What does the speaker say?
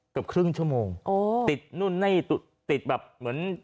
เกือบครึ่งชั่วโมงโอ้ติดนู่นนี่ติดแบบเหมือน